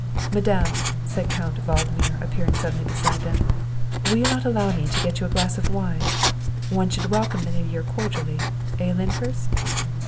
" Madame," said Count Valdmir, appearing sud denly beside them, " will you not allow me to get you a glass of wine? One should welcome the New Year cordially eh, Lyndhurst